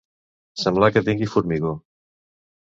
Semblar que tingui formigó.